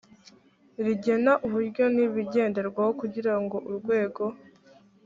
rigena uburyo n ibigenderwaho kugira ngo urwego